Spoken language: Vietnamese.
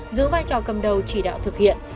giữ vai trò cầm đầu chỉ đạo thực hiện